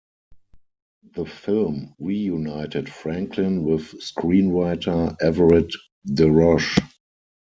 The film reunited Franklin with screenwriter Everett De Roche.